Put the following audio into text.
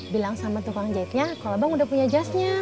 bilang sama tukang jahitnya kalau abang udah punya jasnya